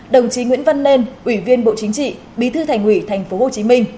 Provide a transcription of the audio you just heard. đồng chí nguyễn văn nên ủy viên bộ chính trị bí thư thành ủy tp hcm